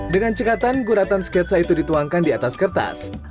dengan cekatan guratan sketsa itu dituangkan di atas kertas